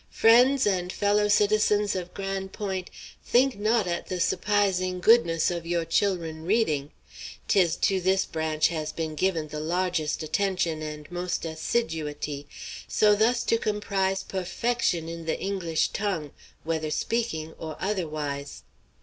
"Friends and fellow citizens of Gran' Point', think not at the suppi zing goodness of yo' chil'run' reading. 'Tis to this branch has been given the largest attention and most as_sid_u'ty, so thus to comprise puffection in the English tongue, whether speaking aw otherwise."